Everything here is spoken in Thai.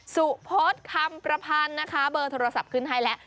สุพศคำประพันธ์นะคะเบอร์โทรศัพท์ขึ้นให้แล้ว